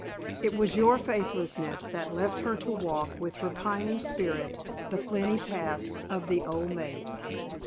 It was your faithlessness that left her to walk, with repining spirit, the flinty path of the old maid.